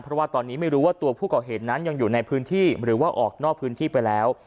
เพราะว่าตอนนี้ไม่รู้ว่าตัวผู้ก่อเหตุนั้นยังอยู่ในพื้นที่หรือว่าออกนอกพื้นที่ไปแล้ว